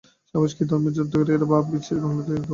সাবাস, কি ধর্মের জোর রে বাপ! বিশেষ বাঙলাদেশে ঐ ধর্মটা বড়ই সহজ।